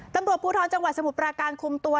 ตำรวจภูทรจังหวัดสมุทรปราการคุมตัว